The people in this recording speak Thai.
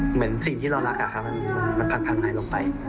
เหมือนสิ่งที่เรารักอะครับมันผ่านไหนลงไป